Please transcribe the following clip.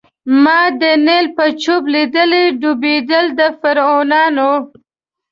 ما د نیل په خوب لیدلي ډوبېدل د فرعونانو